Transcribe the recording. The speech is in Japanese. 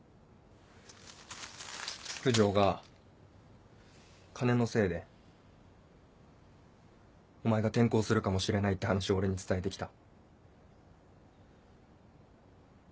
九条が金のせいでお前が転校するかもしれないって話を俺に伝えてきた。